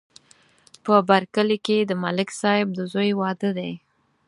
په بر کلي کې د ملک صاحب د زوی واده دی.